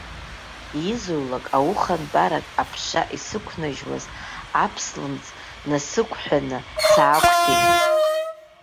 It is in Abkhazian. Изулак, аухантәарак аԥша исықәнажьуаз аԥслымӡ насықәҳәаны саақәтәеит.